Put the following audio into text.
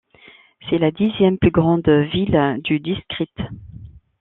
C'est la dixième plus grande ville du district.